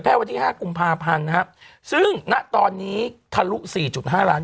วันที่ห้ากุมภาพันธ์นะครับซึ่งณตอนนี้ทะลุสี่จุดห้าล้าน